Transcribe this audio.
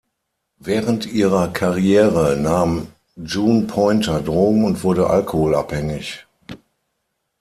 Während ihrer Karriere nahm June Pointer Drogen und wurde alkoholabhängig.